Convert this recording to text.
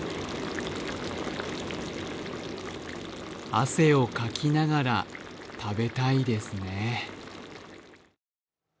汗をかきながら食べたいですね。